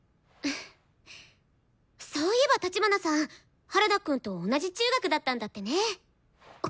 そういえば立花さん原田くんと同じ中学だったんだってね？